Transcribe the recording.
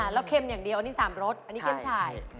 แล้วเค็มอย่างเดียวอันนี้๓รสอันนี้เข้มฉ่าย